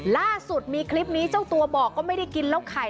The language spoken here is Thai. ล่าสุดมีคลิปนี้เจ้าตัวบอกก็ไม่ได้กินเหล้าไข่